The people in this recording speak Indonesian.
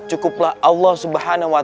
cukuplah allah swt sebagai penolong kami